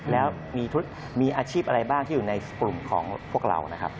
แล้วมีอาชีพอะไรบ้างที่อยู่ในกลุ่มของพวกเรานะครับ